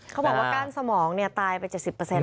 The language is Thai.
เขาบอกว่ากลางสมองตายไป๗๐แล้ว